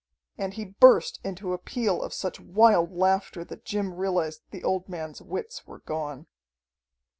And he burst into a peal of such wild laughter that Jim realized the old man's wits were gone.